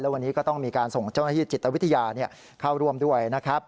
วันนี้ก็ต้องมีการส่งเจ้าหน้าที่จิตวิทยาเข้าร่วมด้วยนะครับ